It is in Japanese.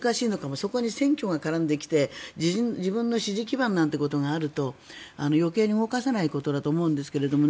そこに選挙が絡んできて自分の支持基盤なんかがあると余計に動かせないことだと思うんですけれどもね